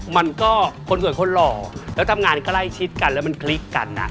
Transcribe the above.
มันก็คนสวยคนหล่อแล้วทำงานใกล้ชิดกันแล้วมันคลิกกัน